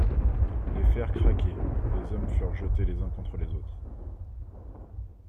Les fers craquaient, les hommes furent jetés les uns contre les autres.